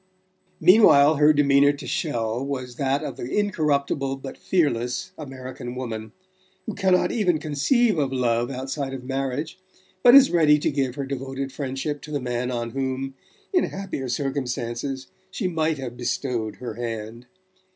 Meanwhile her demeanour to Chelles was that of the incorruptible but fearless American woman, who cannot even conceive of love outside of marriage, but is ready to give her devoted friendship to the man on whom, in happier circumstances, she might have bestowed her hand.